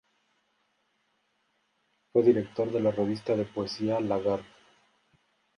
Fue director de la revista de poesía Lagar.